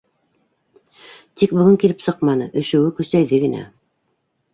Тик бөгөн килеп сыҡманы, өшөүе көсәйҙе генә.